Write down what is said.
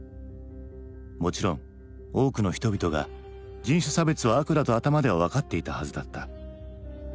もちろん多くの人々が人種差別は悪だと頭では分かっていたはずだった。